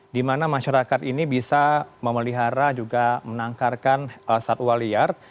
di mana masyarakat ini bisa memelihara juga menangkarkan satwa liar